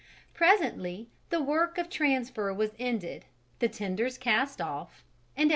Presently the work of transfer was ended, the tenders cast off, and at 1.